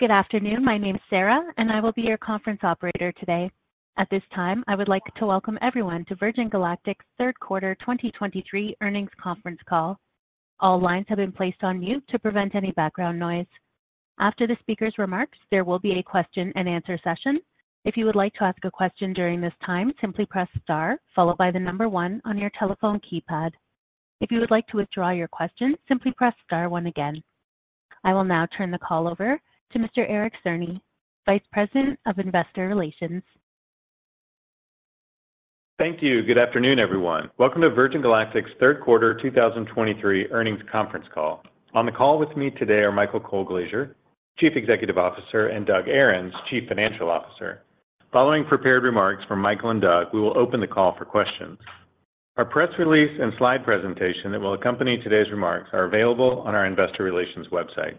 Good afternoon. My name is Sarah, and I will be your conference operator today. At this time, I would like to welcome everyone to Virgin Galactic's third quarter 2023 earnings conference call. All lines have been placed on mute to prevent any background noise. After the speaker's remarks, there will be a question and answer session. If you would like to ask a question during this time, simply press star, followed by the number one on your telephone keypad. If you would like to withdraw your question, simply press star one again. I will now turn the call over to Mr. Eric Cerny, Vice President of Investor Relations. Thank you. Good afternoon, everyone. Welcome to Virgin Galactic's third quarter 2023 earnings conference call. On the call with me today are Michael Colglazier, Chief Executive Officer, and Doug Ahrens, Chief Financial Officer. Following prepared remarks from Michael and Doug, we will open the call for questions. Our press release and slide presentation that will accompany today's remarks are available on our investor relations website.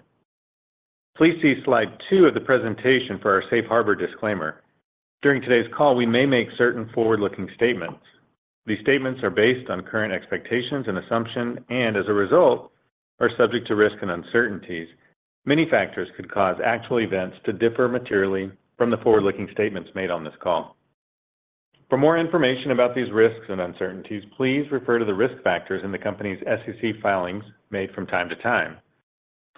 Please see slide 2 of the presentation for our safe harbor disclaimer. During today's call, we may make certain forward-looking statements. These statements are based on current expectations and assumption, and as a result, are subject to risk and uncertainties. Many factors could cause actual events to differ materially from the forward-looking statements made on this call. For more information about these risks and uncertainties, please refer to the risk factors in the company's SEC filings made from time to time.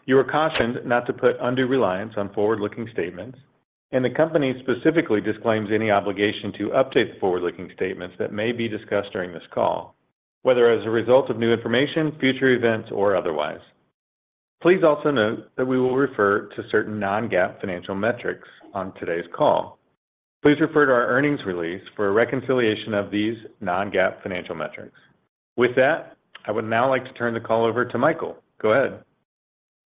You are cautioned not to put undue reliance on forward-looking statements, and the company specifically disclaims any obligation to update the forward-looking statements that may be discussed during this call, whether as a result of new information, future events, or otherwise. Please also note that we will refer to certain non-GAAP financial metrics on today's call. Please refer to our earnings release for a reconciliation of these non-GAAP financial metrics. With that, I would now like to turn the call over to Michael. Go ahead.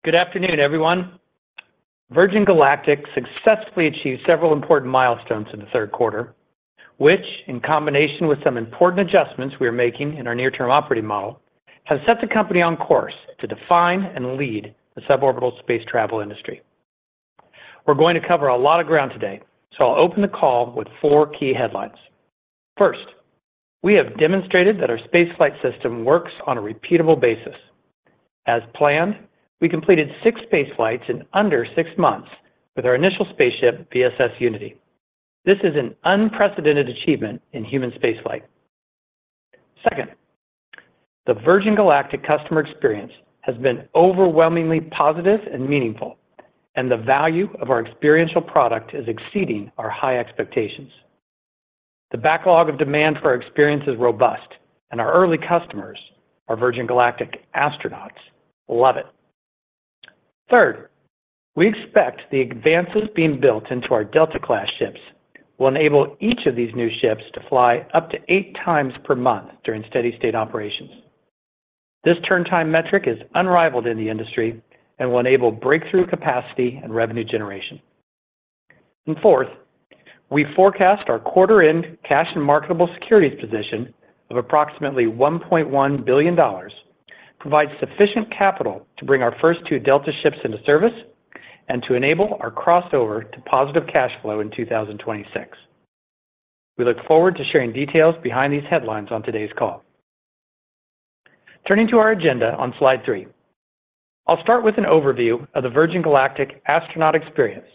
Good afternoon, everyone. Virgin Galactic successfully achieved several important milestones in the third quarter, which, in combination with some important adjustments we are making in our near-term operating model, has set the company on course to define and lead the suborbital space travel industry. We're going to cover a lot of ground today, so I'll open the call with 4 key headlines. First, we have demonstrated that our space flight system works on a repeatable basis. As planned, we completed six space flights in under six months with our initial spaceship, VSS Unity. This is an unprecedented achievement in human space flight. Second, the Virgin Galactic customer experience has been overwhelmingly positive and meaningful, and the value of our experiential product is exceeding our high expectations. The backlog of demand for our experience is robust, and our early customers, our Virgin Galactic astronauts, love it. Third, we expect the advances being built into our Delta class ships will enable each of these new ships to fly up to 8 times per month during steady state operations. This turn time metric is unrivaled in the industry and will enable breakthrough capacity and revenue generation. And fourth, we forecast our quarter end cash and marketable securities position of approximately $1.1 billion provides sufficient capital to bring our first two Delta ships into service and to enable our crossover to positive cash flow in 2026. We look forward to sharing details behind these headlines on today's call. Turning to our agenda on slide 3, I'll start with an overview of the Virgin Galactic astronaut experience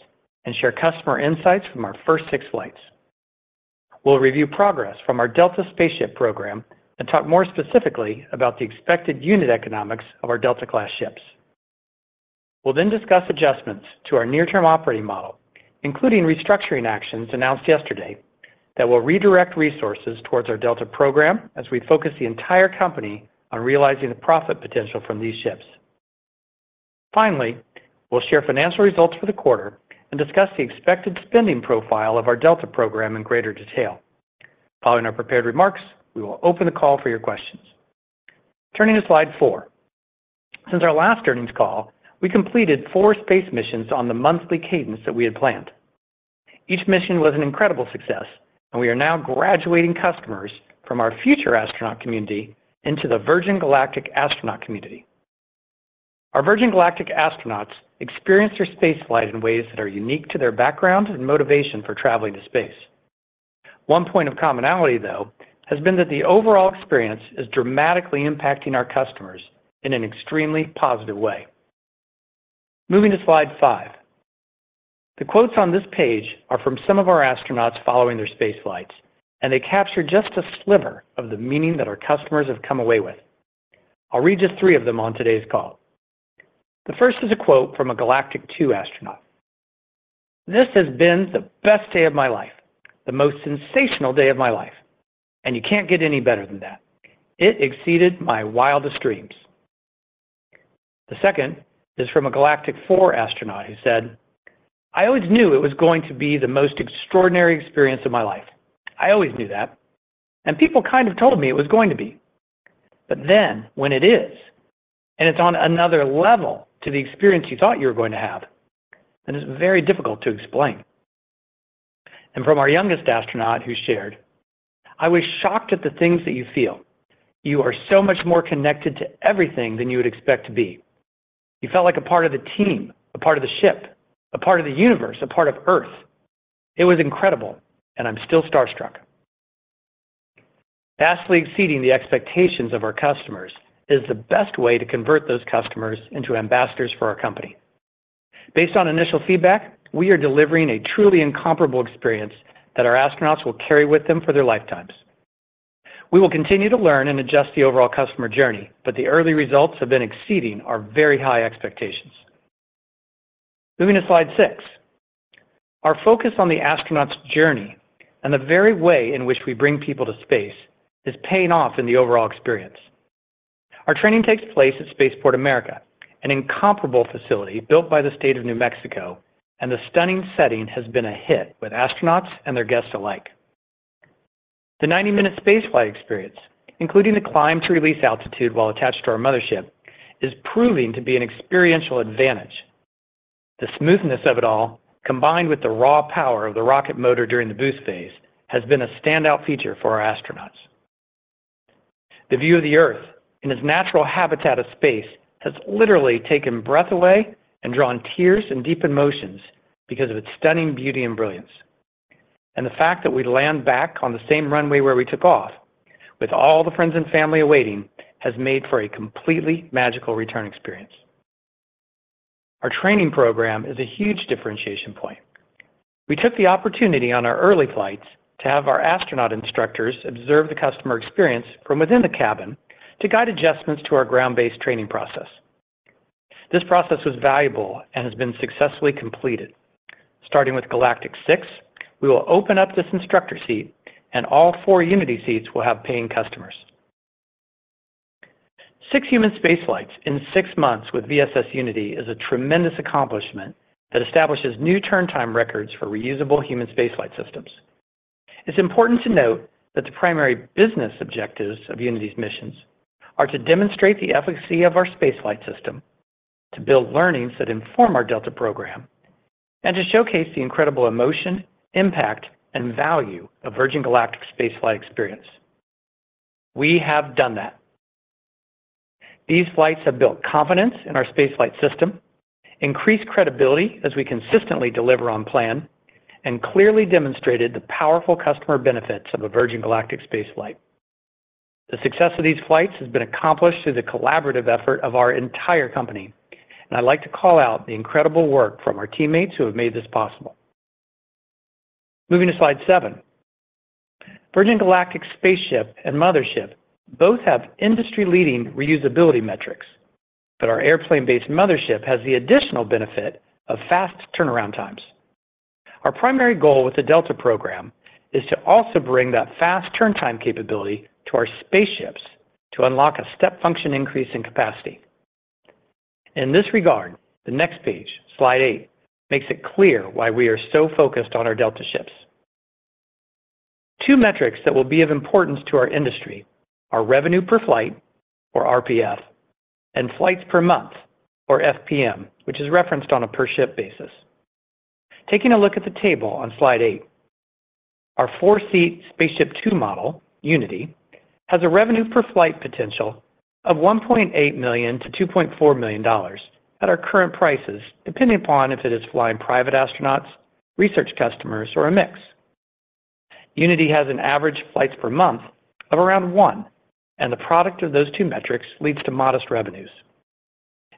and share customer insights from our first 6 flights. We'll review progress from our Delta spaceship program and talk more specifically about the expected unit economics of our Delta class ships. We'll then discuss adjustments to our near-term operating model, including restructuring actions announced yesterday, that will redirect resources towards our Delta program as we focus the entire company on realizing the profit potential from these ships. Finally, we'll share financial results for the quarter and discuss the expected spending profile of our Delta program in greater detail. Following our prepared remarks, we will open the call for your questions. Turning to slide four, since our last earnings call, we completed 4 space missions on the monthly cadence that we had planned. Each mission was an incredible success, and we are now graduating customers from our future astronaut community into the Virgin Galactic astronaut community. Our Virgin Galactic astronauts experience their space flight in ways that are unique to their background and motivation for traveling to space. One point of commonality, though, has been that the overall experience is dramatically impacting our customers in an extremely positive way. Moving to slide 5, the quotes on this page are from some of our astronauts following their space flights, and they capture just a sliver of the meaning that our customers have come away with. I'll read just 3 of them on today's call. The first is a quote from a SpaceShipTwo astronaut: "This has been the best day of my life, the most sensational day of my life, and you can't get any better than that. It exceeded my wildest dreams." The second is from a Galactic 04 astronaut who said, "I always knew it was going to be the most extraordinary experience of my life. I always knew that, and people kind of told me it was going to be. But then when it is, and it's on another level to the experience you thought you were going to have, then it's very difficult to explain." And from our youngest astronaut who shared, "I was shocked at the things that you feel. You are so much more connected to everything than you would expect to be. You felt like a part of the team, a part of the ship, a part of the universe, a part of Earth. It was incredible, and I'm still starstruck."... Vastly exceeding the expectations of our customers is the best way to convert those customers into ambassadors for our company. Based on initial feedback, we are delivering a truly incomparable experience that our astronauts will carry with them for their lifetimes. We will continue to learn and adjust the overall customer journey, but the early results have been exceeding our very high expectations. Moving to slide 6. Our focus on the astronauts' journey and the very way in which we bring people to space is paying off in the overall experience. Our training takes place at Spaceport America, an incomparable facility built by the state of New Mexico, and the stunning setting has been a hit with astronauts and their guests alike. The 90-minute space flight experience, including the climb to release altitude while attached to our mothership, is proving to be an experiential advantage. The smoothness of it all, combined with the raw power of the rocket motor during the boost phase, has been a standout feature for our astronauts. The view of the Earth in its natural habitat of space has literally taken breath away and drawn tears and deep emotions because of its stunning beauty and brilliance. The fact that we land back on the same runway where we took off, with all the friends and family awaiting, has made for a completely magical return experience. Our training program is a huge differentiation point. We took the opportunity on our early flights to have our astronaut instructors observe the customer experience from within the cabin to guide adjustments to our ground-based training process. This process was valuable and has been successfully completed. Starting with Galactic 06, we will open up this instructor seat, and all 4 Unity seats will have paying customers. Six human space flights in six months with VSS Unity is a tremendous accomplishment that establishes new turn time records for reusable human space flight systems. It's important to note that the primary business objectives of Unity's missions are to demonstrate the efficacy of our space flight system, to build learnings that inform our Delta program, and to showcase the incredible emotion, impact, and value of Virgin Galactic space flight experience. We have done that. These flights have built confidence in our space flight system, increased credibility as we consistently deliver on plan, and clearly demonstrated the powerful customer benefits of a Virgin Galactic space flight. The success of these flights has been accomplished through the collaborative effort of our entire company, and I'd like to call out the incredible work from our teammates who have made this possible. Moving to slide 7. Virgin Galactic spaceship and Mothership both have industry-leading reusability metrics, but our airplane-based Mothership has the additional benefit of fast turnaround times. Our primary goal with the Delta program is to also bring that fast turn time capability to our spaceships to unlock a step function increase in capacity. In this regard, the next page, slide 8 makes it clear why we are so focused on our Delta ships. 2 metrics that will be of importance to our industry are revenue per flight or RPF, and flights per month or FPM, which is referenced on a per-ship basis. Taking a look at the table on slide 8, our 4-seat SpaceShipTwo model, Unity, has a revenue per flight potential of $1.8 million-$2.4 million at our current prices, depending upon if it is flying private astronauts, research customers, or a mix. Unity has an average flights per month of around 1, and the product of those two metrics leads to modest revenues.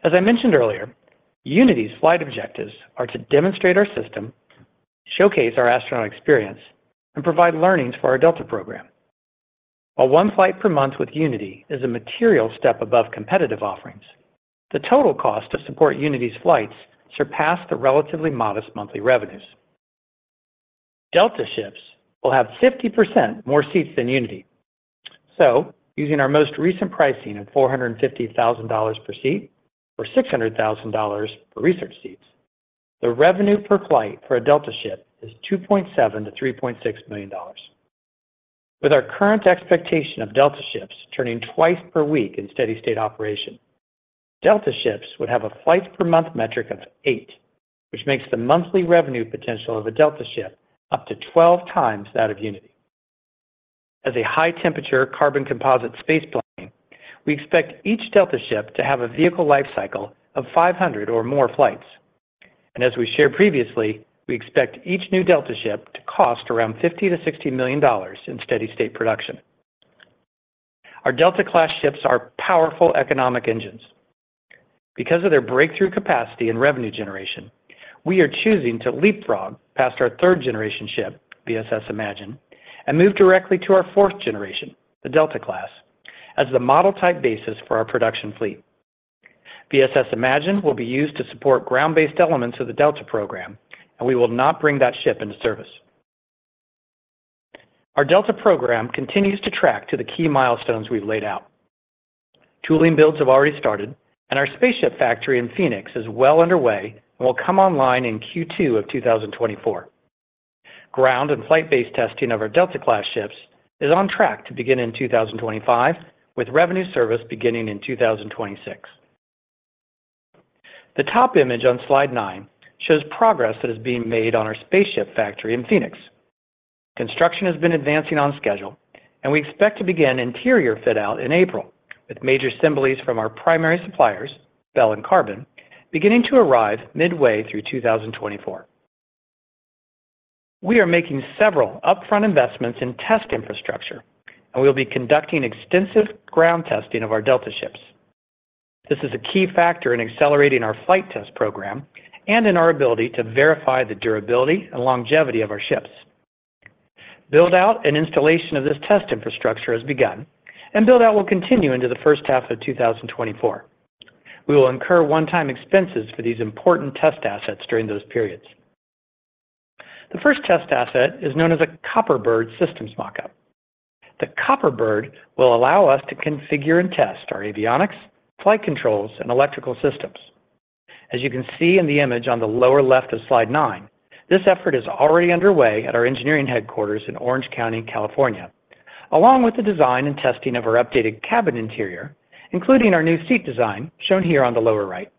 As I mentioned earlier, Unity's flight objectives are to demonstrate our system, showcase our astronaut experience, and provide learnings for our Delta program. While 1 flight per month with Unity is a material step above competitive offerings, the total cost to support Unity's flights surpass the relatively modest monthly revenues. Delta ships will have 50% more seats than Unity. Using our most recent pricing of $450,000 per seat or $600,000 for research seats, the revenue per flight for a Delta ship is $2.7 million-$3.6 million. With our current expectation of Delta ships turning twice per week in steady state operation, Delta ships would have a flights per month metric of 8, which makes the monthly revenue potential of a Delta ship up to 12 times that of Unity. As a high-temperature Qarbon composite space plane, we expect each Delta ship to have a vehicle life cycle of 500 or more flights. As we shared previously, we expect each new Delta ship to cost around $50-$60 million in steady state production. Our Delta class ships are powerful economic engines. Because of their breakthrough capacity and revenue generation, we are choosing to leapfrog past our third generation ship, VSS Imagine, and move directly to our fourth generation, the Delta class, as the model type basis for our production fleet. VSS Imagine will be used to support ground-based elements of the Delta program, and we will not bring that ship into service. Our Delta program continues to track to the key milestones we've laid out. Tooling builds have already started, and our spaceship factory in Phoenix is well underway and will come online in Q2 of 2024. Ground and flight-based testing of our Delta class ships is on track to begin in 2025, with revenue service beginning in 2026. The top image on slide 9 shows progress that is being made on our spaceship factory in Phoenix. Construction has been advancing on schedule, and we expect to begin interior fit out in April, with major assemblies from our primary suppliers, Bell and Qarbon, beginning to arrive midway through 2024. We are making several upfront investments in test infrastructure, and we will be conducting extensive ground testing of our Delta ships. This is a key factor in accelerating our flight test program and in our ability to verify the durability and longevity of our ships. Build-out and installation of this test infrastructure has begun, and build-out will continue into the first half of 2024. We will incur one-time expenses for these important test assets during those periods. The first test asset is known as a Copper bird systems mock-up. The Copper bird will allow us to configure and test our avionics, flight controls, and electrical systems. As you can see in the image on the lower left of slide 9, this effort is already underway at our engineering headquarters in Orange County, California, along with the design and testing of our updated cabin interior, including our new seat design, shown here on the lower right.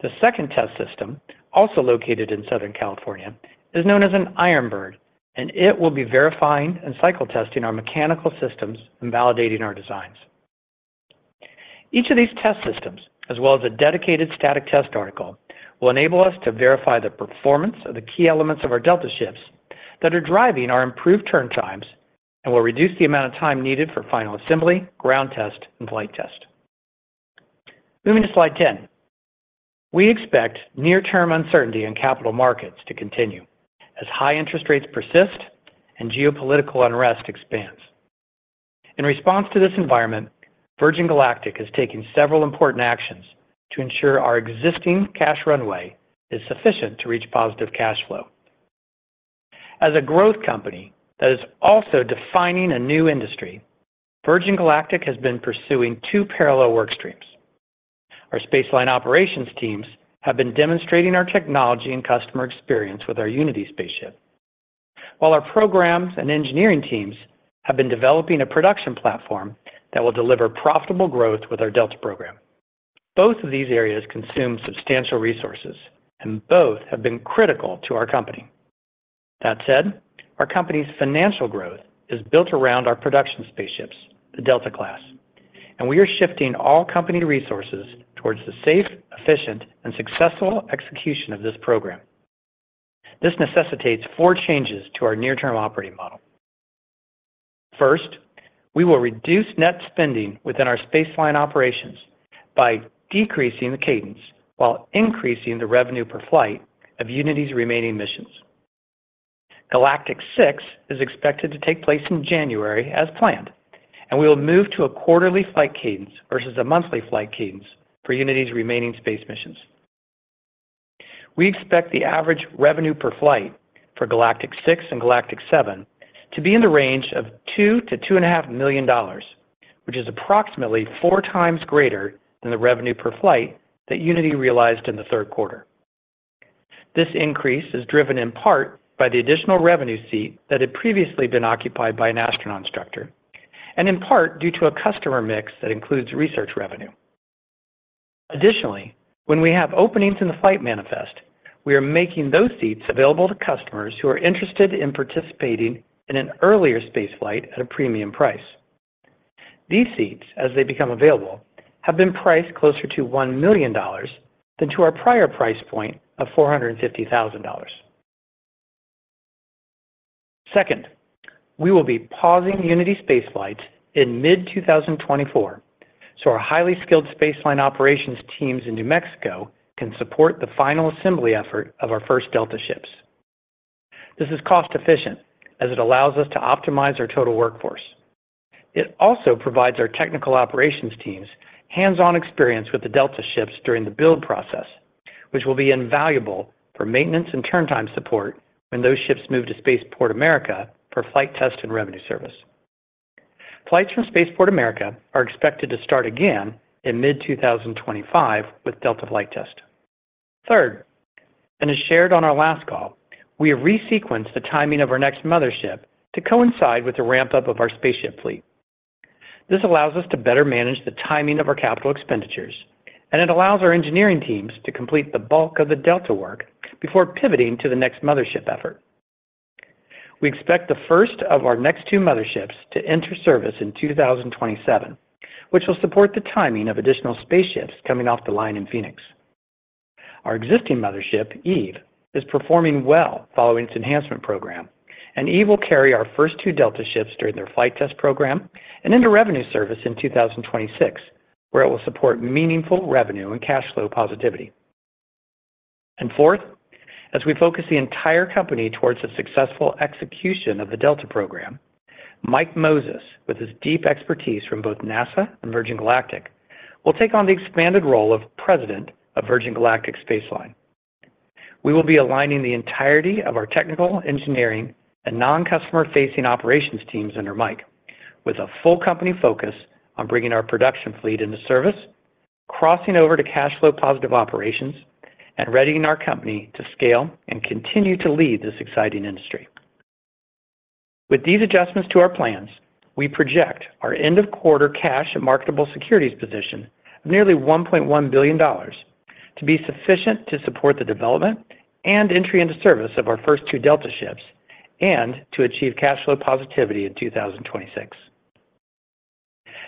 The second test system, also located in Southern California, is known as an Iron bird, and it will be verifying and cycle testing our mechanical systems and validating our designs. Each of these test systems, as well as a dedicated static test article, will enable us to verify the performance of the key elements of our Delta ships that are driving our improved turn times and will reduce the amount of time needed for final assembly, ground test, and flight test. Moving to slide 10. We expect near-term uncertainty in capital markets to continue as high interest rates persist and geopolitical unrest expands. In response to this environment, Virgin Galactic has taken several important actions to ensure our existing cash runway is sufficient to reach positive cash flow. As a growth company that is also defining a new industry, Virgin Galactic has been pursuing two parallel work streams. Our Spaceline operations teams have been demonstrating our technology and customer experience with our Unity spaceship, while our programs and engineering teams have been developing a production platform that will deliver profitable growth with our Delta program. Both of these areas consume substantial resources, and both have been critical to our company. That said, our company's financial growth is built around our production spaceships, the Delta class, and we are shifting all company resources towards the safe, efficient, and successful execution of this program. This necessitates four changes to our near-term operating model. First, we will reduce net spending within our spaceline operations by decreasing the cadence while increasing the revenue per flight of Unity's remaining missions. Galactic 06 is expected to take place in January as planned, and we will move to a quarterly flight cadence versus a monthly flight cadence for Unity's remaining space missions. We expect the average revenue per flight for Galactic 06 and Galactic 07 to be in the range of $2 million-$2.5 million, which is approximately four times greater than the revenue per flight that Unity realized in the third quarter. This increase is driven in part by the additional revenue seat that had previously been occupied by an astronaut instructor, and in part due to a customer mix that includes research revenue. Additionally, when we have openings in the flight manifest, we are making those seats available to customers who are interested in participating in an earlier space flight at a premium price. These seats, as they become available, have been priced closer to $1 million than to our prior price point of $450,000. Second, we will be pausing Unity space flights in mid-2024, so our highly skilled spaceline operations teams in New Mexico can support the final assembly effort of our first Delta ships. This is cost-efficient as it allows us to optimize our total workforce. It also provides our technical operations teams hands-on experience with the Delta ships during the build process, which will be invaluable for maintenance and turn time support when those ships move to Spaceport America for flight test and revenue service. Flights from Spaceport America are expected to start again in mid-2025 with Delta flight test. Third, and as shared on our last call, we have resequenced the timing of our next mothership to coincide with the ramp-up of our spaceship fleet. This allows us to better manage the timing of our capital expenditures, and it allows our engineering teams to complete the bulk of the Delta work before pivoting to the next mothership effort. We expect the first of our next two motherships to enter service in 2027, which will support the timing of additional spaceships coming off the line in Phoenix. Our existing mothership, Eve, is performing well following its enhancement program, and Eve will carry our first two Delta ships during their flight test program and into revenue service in 2026, where it will support meaningful revenue and cash flow positivity. And fourth, as we focus the entire company towards the successful execution of the Delta program, Mike Moses, with his deep expertise from both NASA and Virgin Galactic, will take on the expanded role of President of Virgin Galactic Spaceline. We will be aligning the entirety of our technical, engineering, and non-customer-facing operations teams under Mike, with a full company focus on bringing our production fleet into service, crossing over to cash flow positive operations, and readying our company to scale and continue to lead this exciting industry. With these adjustments to our plans, we project our end-of-quarter cash and marketable securities position of nearly $1.1 billion to be sufficient to support the development and entry into service of our first 2 Delta ships and to achieve cash flow positivity in 2026.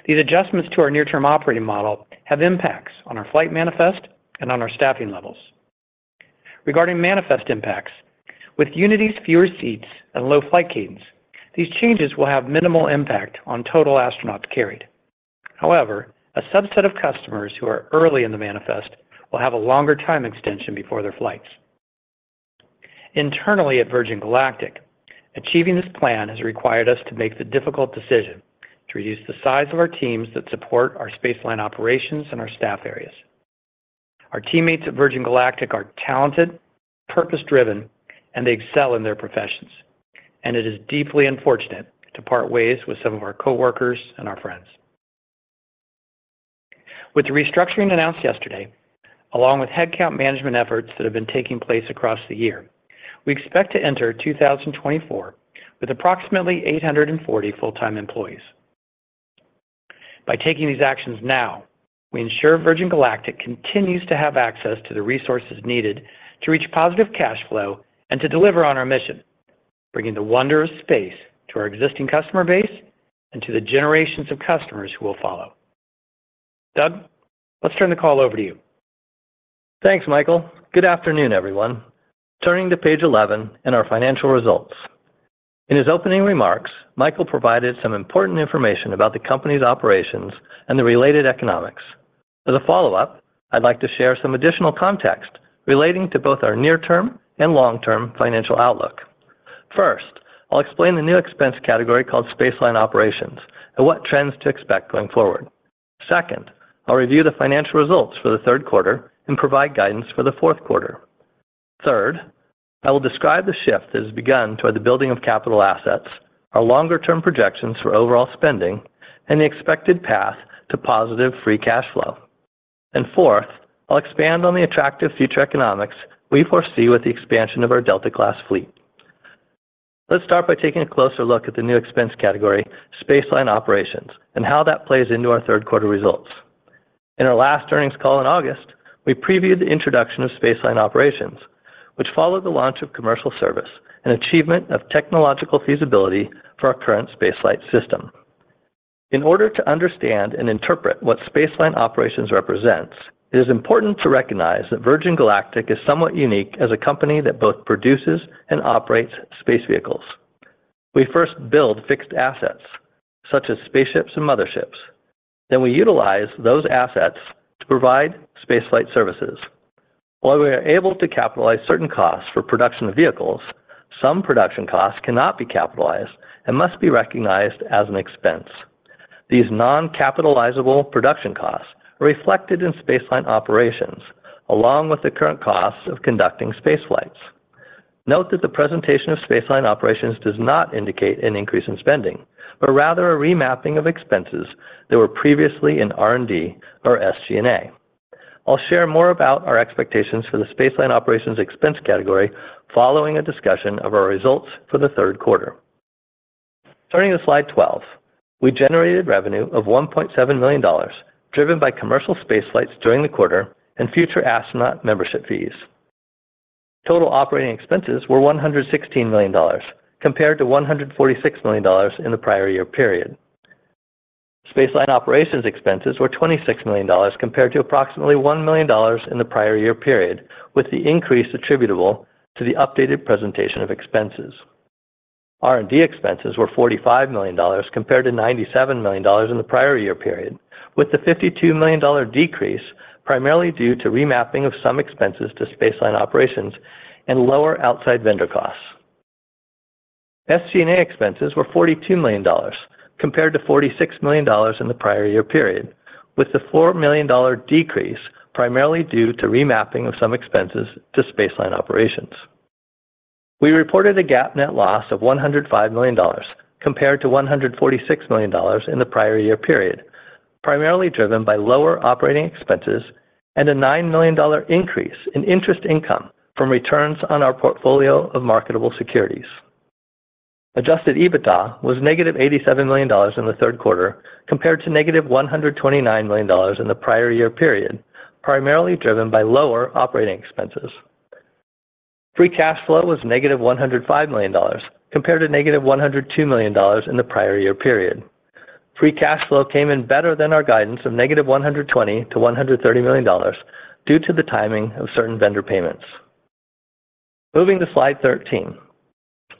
These adjustments to our near-term operating model have impacts on our flight manifest and on our staffing levels. Regarding manifest impacts, with Unity's fewer seats and low flight cadence, these changes will have minimal impact on total astronauts carried. However, a subset of customers who are early in the manifest will have a longer time extension before their flights. Internally at Virgin Galactic, achieving this plan has required us to make the difficult decision to reduce the size of our teams that support our spaceline operations and our staff areas. Our teammates at Virgin Galactic are talented, purpose-driven, and they excel in their professions, and it is deeply unfortunate to part ways with some of our coworkers and our friends. With the restructuring announced yesterday, along with headcount management efforts that have been taking place across the year, we expect to enter 2024 with approximately 840 full-time employees. By taking these actions now, we ensure Virgin Galactic continues to have access to the resources needed to reach positive cash flow and to deliver on our mission, bringing the wonder of space to our existing customer base and to the generations of customers who will follow. Doug, let's turn the call over to you. Thanks, Michael. Good afternoon, everyone. Turning to page 11 in our financial results. In his opening remarks, Michael provided some important information about the company's operations and the related economics. As a follow-up, I'd like to share some additional context relating to both our near-term and long-term financial outlook. First, I'll explain the new expense category called spaceline operations and what trends to expect going forward. Second, I'll review the financial results for the third quarter and provide guidance for the fourth quarter. Third, I will describe the shift that has begun toward the building of capital assets, our longer-term projections for overall spending, and the expected path to positive free cash flow. And fourth, I'll expand on the attractive future economics we foresee with the expansion of our Delta-class fleet. Let's start by taking a closer look at the new expense category, spaceline operations, and how that plays into our third quarter results. In our last earnings call in August, we previewed the introduction of spaceline operations, which followed the launch of commercial service and achievement of technological feasibility for our current space flight system. In order to understand and interpret what spaceline operations represents, it is important to recognize that Virgin Galactic is somewhat unique as a company that both produces and operates space vehicles. We first build fixed assets, such as spaceships and motherships, then we utilize those assets to provide space flight services. While we are able to capitalize certain costs for production of vehicles, some production costs cannot be capitalized and must be recognized as an expense. These non-capitalizable production costs are reflected in spaceline operations, along with the current costs of conducting spaceflights. Note that the presentation of spaceline operations does not indicate an increase in spending, but rather a remapping of expenses that were previously in R&D or SG&A. I'll share more about our expectations for the spaceline operations expense category following a discussion of our results for the third quarter. Turning to slide 12, we generated revenue of $1.7 million, driven by commercial spaceflights during the quarter and future astronaut membership fees. Total operating expenses were $116 million, compared to $146 million in the prior year period. Spaceline operations expenses were $26 million, compared to approximately $1 million in the prior year period, with the increase attributable to the updated presentation of expenses. R&D expenses were $45 million, compared to $97 million in the prior year period, with the $52 million decrease primarily due to remapping of some expenses to spaceline operations and lower outside vendor costs. SG&A expenses were $42 million, compared to $46 million in the prior year period, with the $4 million decrease primarily due to remapping of some expenses to spaceline operations. We reported a GAAP net loss of $105 million, compared to $146 million in the prior year period, primarily driven by lower operating expenses and a $9 million increase in interest income from returns on our portfolio of marketable securities. Adjusted EBITDA was -$87 million in the third quarter, compared to -$129 million in the prior year period, primarily driven by lower operating expenses. Free cash flow was -$105 million, compared to -$102 million in the prior year period. Free cash flow came in better than our guidance of -$120 million-$130 million due to the timing of certain vendor payments. Moving to slide 13.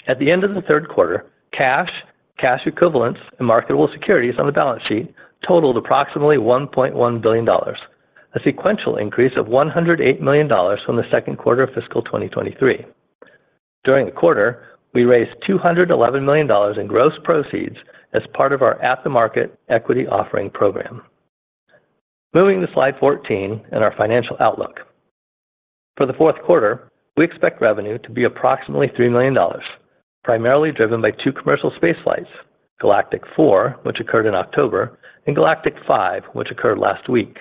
At the end of the third quarter, cash, cash equivalents, and marketable securities on the balance sheet totaled approximately $1.1 billion, a sequential increase of $108 million from the second quarter of fiscal 2023. During the quarter, we raised $211 million in gross proceeds as part of our at-the-market equity offering program. Moving to slide 14 and our financial outlook. For the fourth quarter, we expect revenue to be approximately $3 million, primarily driven by 2 commercial space flights, Galactic 04, which occurred in October, and 05, which occurred last week.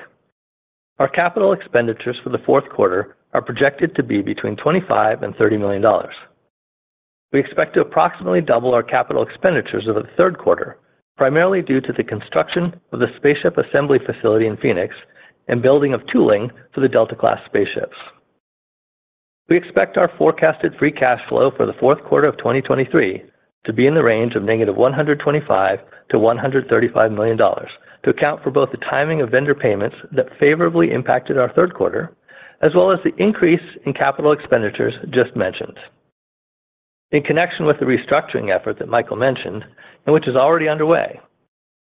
Our capital expenditures for the fourth quarter are projected to be between $25 million and $30 million. We expect to approximately double our capital expenditures over the third quarter, primarily due to the construction of the spaceship assembly facility in Phoenix and building of tooling for the Delta-class spaceships.... We expect our forecasted free cash flow for the fourth quarter of 2023 to be in the range of -$125 million-$135 million, to account for both the timing of vendor payments that favorably impacted our third quarter, as well as the increase in capital expenditures just mentioned. In connection with the restructuring effort that Michael mentioned, and which is already underway,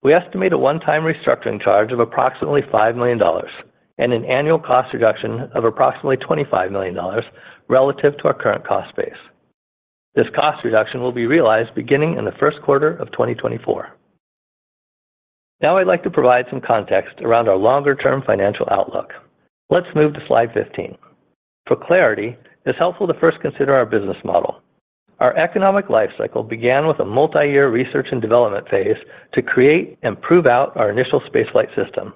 we estimate a one-time restructuring charge of approximately $5 million and an annual cost reduction of approximately $25 million relative to our current cost base. This cost reduction will be realized beginning in the first quarter of 2024. Now I'd like to provide some context around our longer-term financial outlook. Let's move to slide 15. For clarity, it's helpful to first consider our business model. Our economic life cycle began with a multi-year research and development phase to create and prove out our initial space flight system.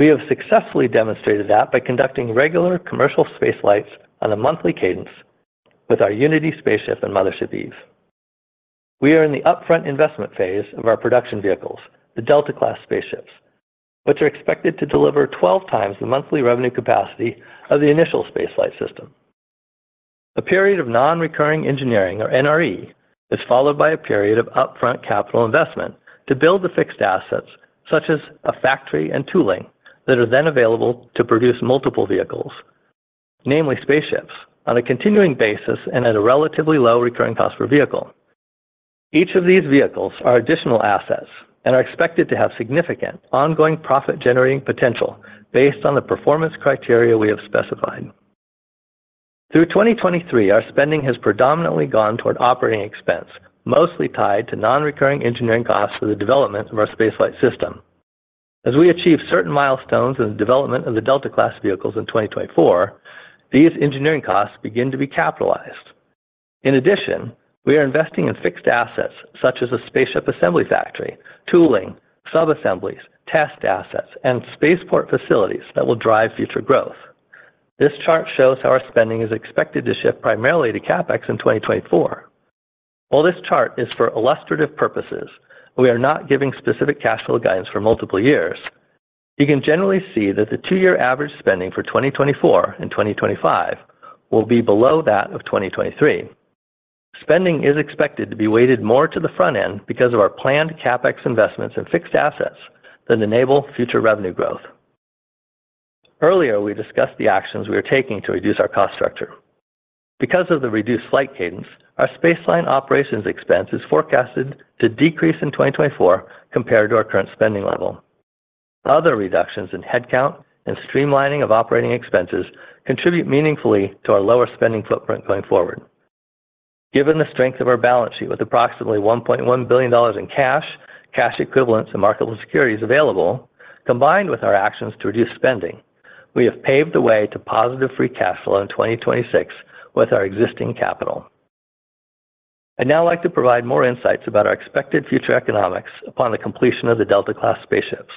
We have successfully demonstrated that by conducting regular commercial space flights on a monthly cadence with our Unity spaceship and Mothership Eve. We are in the upfront investment phase of our production vehicles, the Delta-class spaceships, which are expected to deliver 12 times the monthly revenue capacity of the initial space flight system. A period of non-recurring engineering, or NRE, is followed by a period of upfront capital investment to build the fixed assets, such as a factory and tooling, that are then available to produce multiple vehicles, namely spaceships, on a continuing basis and at a relatively low recurring cost per vehicle. Each of these vehicles are additional assets and are expected to have significant ongoing profit-generating potential based on the performance criteria we have specified. Through 2023, our spending has predominantly gone toward operating expense, mostly tied to non-recurring engineering costs for the development of our space flight system. As we achieve certain milestones in the development of the Delta-class vehicles in 2024, these engineering costs begin to be capitalized. In addition, we are investing in fixed assets such as a spaceship assembly factory, tooling, subassemblies, test assets, and spaceport facilities that will drive future growth. This chart shows how our spending is expected to shift primarily to CapEx in 2024. While this chart is for illustrative purposes, we are not giving specific cash flow guidance for multiple years. You can generally see that the two-year average spending for 2024 and 2025 will be below that of 2023. Spending is expected to be weighted more to the front end because of our planned CapEx investments in fixed assets that enable future revenue growth. Earlier, we discussed the actions we are taking to reduce our cost structure. Because of the reduced flight cadence, our spaceline operations expense is forecasted to decrease in 2024 compared to our current spending level. Other reductions in headcount and streamlining of operating expenses contribute meaningfully to our lower spending footprint going forward. Given the strength of our balance sheet, with approximately $1.1 billion in cash, cash equivalents, and marketable securities available, combined with our actions to reduce spending, we have paved the way to positive free cash flow in 2026 with our existing capital. I'd now like to provide more insights about our expected future economics upon the completion of the Delta-class spaceships.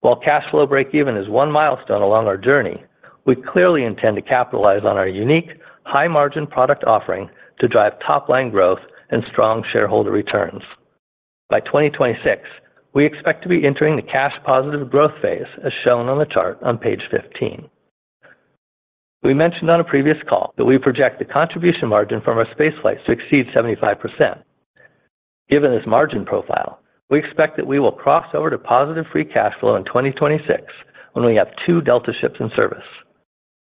While cash flow breakeven is 1 milestone along our journey, we clearly intend to capitalize on our unique, high-margin product offering to drive top-line growth and strong shareholder returns. By 2026, we expect to be entering the cash positive growth phase, as shown on the chart on page 15. We mentioned on a previous call that we project the contribution margin from our spaceflight to exceed 75%. Given this margin profile, we expect that we will cross over to positive free cash flow in 2026 when we have 2 Delta ships in service.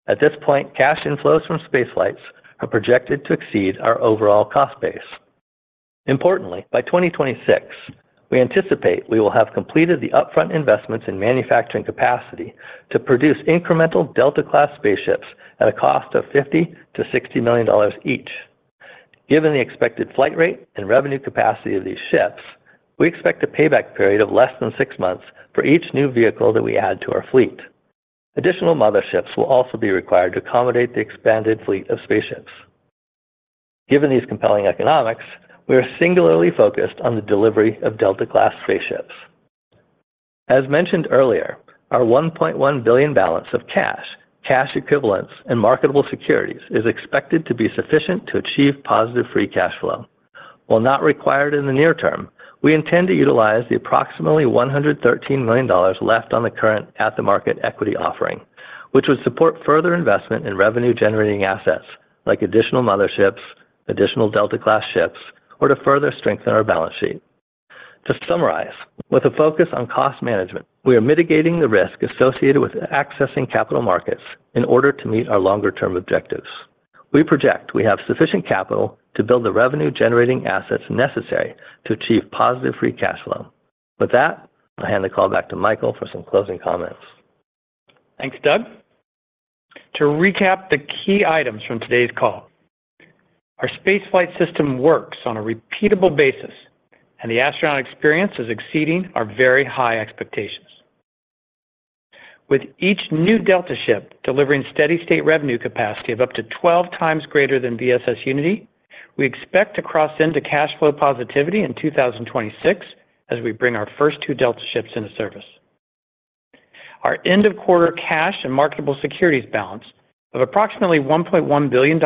At this point, cash inflows from spaceflights are projected to exceed our overall cost base. Importantly, by 2026, we anticipate we will have completed the upfront investments in manufacturing capacity to produce incremental Delta-class spaceships at a cost of $50-$60 million each. Given the expected flight rate and revenue capacity of these ships, we expect a payback period of less than six months for each new vehicle that we add to our fleet. Additional motherships will also be required to accommodate the expanded fleet of spaceships. Given these compelling economics, we are singularly focused on the delivery of Delta-class spaceships. As mentioned earlier, our $1.1 billion balance of cash, cash equivalents, and marketable securities is expected to be sufficient to achieve positive free cash flow. While not required in the near-term, we intend to utilize the approximately $113 million left on the current at-the-market equity offering, which would support further investment in revenue-generating assets like additional motherships, additional Delta-class ships, or to further strengthen our balance sheet. To summarize, with a focus on cost management, we are mitigating the risk associated with accessing capital markets in order to meet our longer-term objectives. We project we have sufficient capital to build the revenue-generating assets necessary to achieve positive free cash flow. With that, I'll hand the call back to Michael for some closing comments. Thanks, Doug. To recap the key items from today's call, our space flight system works on a repeatable basis, and the astronaut experience is exceeding our very high expectations. With each new Delta ship delivering steady state revenue capacity of up to 12 times greater than VSS Unity, we expect to cross into cash flow positivity in 2026 as we bring our first two Delta ships into service. Our end-of-quarter cash and marketable securities balance of approximately $1.1 billion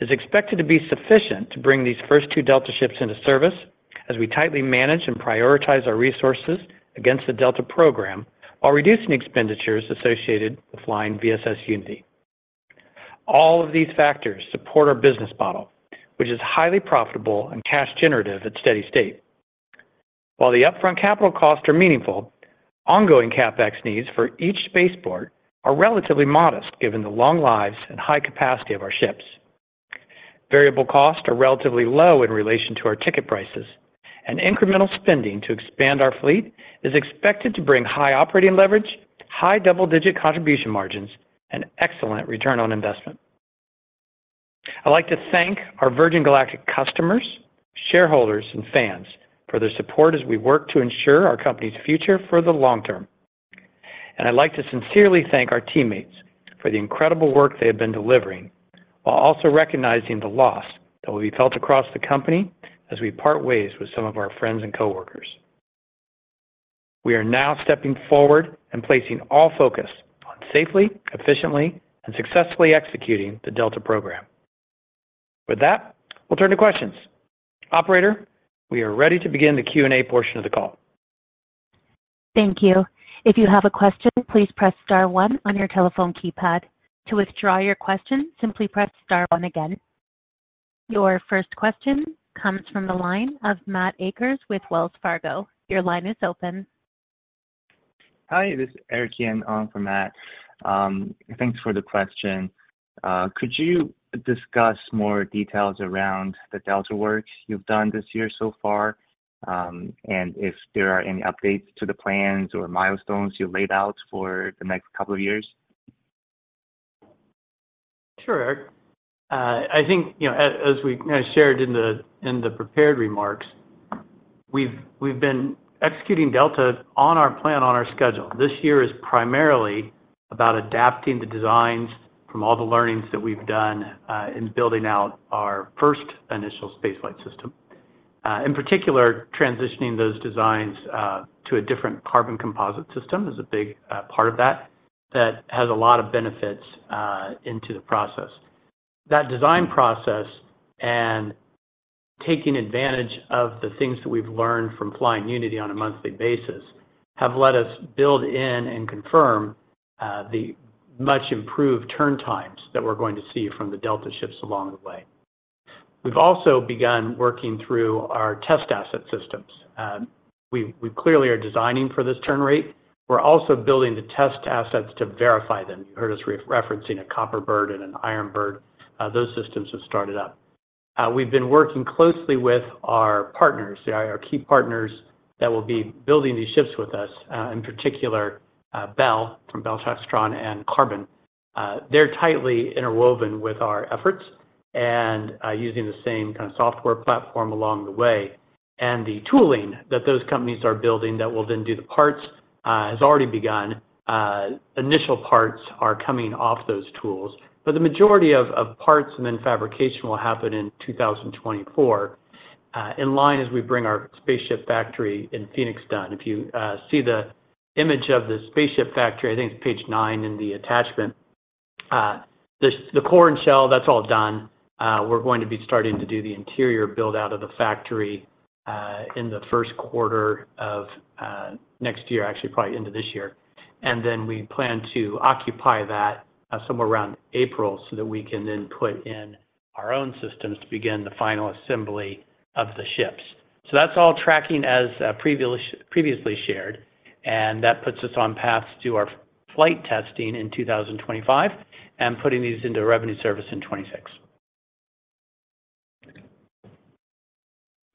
is expected to be sufficient to bring these first two Delta ships into service, as we tightly manage and prioritize our resources against the Delta program, while reducing expenditures associated with flying VSS Unity. All of these factors support our business model, which is highly profitable and cash generative at steady state. While the upfront capital costs are meaningful, ongoing CapEx needs for each spaceport are relatively modest, given the long lives and high capacity of our ships. Variable costs are relatively low in relation to our ticket prices, and incremental spending to expand our fleet is expected to bring high operating leverage, high double-digit contribution margins, and excellent return on investment. I'd like to thank our Virgin Galactic customers, shareholders, and fans for their support as we work to ensure our company's future for the long-term. And I'd like to sincerely thank our teammates for the incredible work they have been delivering, while also recognizing the loss that will be felt across the company as we part ways with some of our friends and coworkers. We are now stepping forward and placing all focus on safely, efficiently, and successfully executing the Delta program. With that, we'll turn to questions. Operator, we are ready to begin the Q&A portion of the call. Thank you. If you have a question, please press star one on your telephone keypad. To withdraw your question, simply press star one again. Your first question comes from the line of Matt Akers with Wells Fargo. Your line is open. Hi, this is Eric Yan on for Matt. Thanks for the question. Could you discuss more details around the Delta work you've done this year so far, and if there are any updates to the plans or milestones you laid out for the next couple of years? Sure, Eric. I think, you know, as we kind of shared in the prepared remarks, we've been executing Delta on our plan, on our schedule. This year is primarily about adapting the designs from all the learnings that we've done in building out our first initial space flight system. In particular, transitioning those designs to a different Qarbon composite system is a big part of that, that has a lot of benefits into the process. That design process and taking advantage of the things that we've learned from flying Unity on a monthly basis have let us build in and confirm the much improved turn times that we're going to see from the Delta ships along the way. We've also begun working through our test asset systems. We clearly are designing for this turn rate. We're also building the test assets to verify them. You heard us referencing a copper bird and an iron bird, those systems have started up. We've been working closely with our partners, our key partners that will be building these ships with us, in particular, Bell from Bell Textron and Qarbon. They're tightly interwoven with our efforts and, using the same kind of software platform along the way. And the tooling that those companies are building that will then do the parts has already begun. Initial parts are coming off those tools, but the majority of parts and then fabrication will happen in 2024, in line as we bring our spaceship factory in Phoenix down. If you see the image of the spaceship factory, I think it's page 9 in the attachment. The core and shell, that's all done. We're going to be starting to do the interior build out of the factory in the first quarter of next year, actually, probably into this year. And then we plan to occupy that somewhere around April, so that we can then put in our own systems to begin the final assembly of the ships. So that's all tracking as previously shared, and that puts us on path to our flight testing in 2025, and putting these into revenue service in 2026.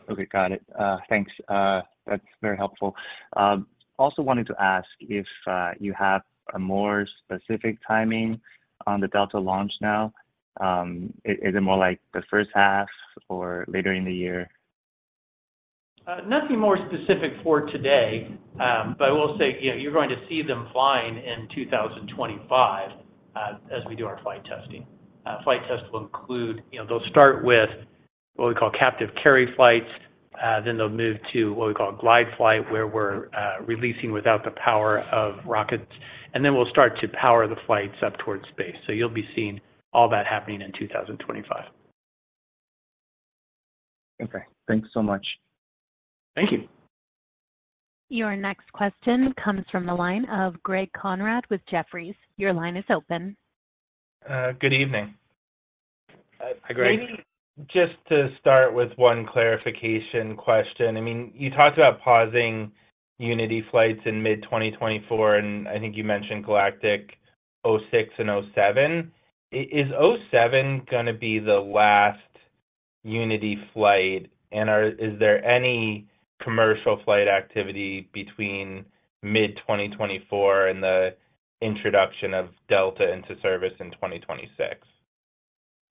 Okay, got it. Thanks, that's very helpful. Also wanted to ask if you have a more specific timing on the Delta launch now? Is it more like the first half or later in the year? Nothing more specific for today, but I will say, you know, you're going to see them flying in 2025, as we do our flight testing. Flight test will include, you know, they'll start with what we call captive carry flights, then they'll move to what we call a glide flight, where we're releasing without the power of rockets, and then we'll start to power the flights up towards space. So you'll be seeing all that happening in 2025. Okay, thanks so much. Thank you. Your next question comes from the line of Greg Konrad with Jefferies. Your line is open. Good evening. Hi, Greg. Maybe just to start with one clarification question. I mean, you talked about pausing Unity flights in mid-2024, and I think you mentioned Galactic 06 and 07. Is 07 gonna be the last Unity flight, and is there any commercial flight activity between mid-2024 and the introduction of Delta into service in 2026?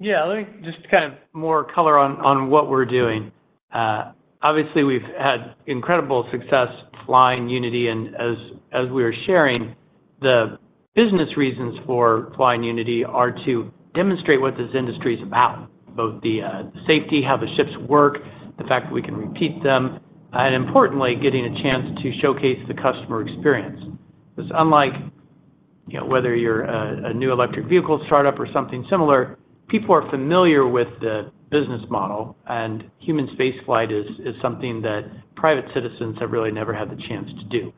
Yeah, let me just kind of more color on what we're doing. Obviously, we've had incredible success flying Unity, and as we are sharing, the business reasons for flying Unity are to demonstrate what this industry is about, both the safety, how the ships work, the fact that we can repeat them, and importantly, getting a chance to showcase the customer experience. Because unlike... you know, whether you're a new electric vehicle startup or something similar, people are familiar with the business model, and human space flight is something that private citizens have really never had the chance to do.